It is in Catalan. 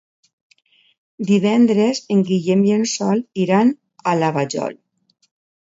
Divendres en Guillem i en Sol iran a la Vajol.